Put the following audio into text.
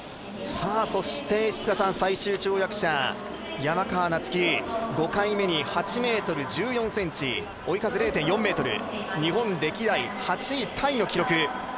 最終跳躍者山川夏輝５回目に８ｍ１４ｃｍ、追い風０．４ｍ、日本歴代８位タイの記録。